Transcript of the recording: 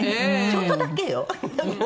「ちょっとだけよ」。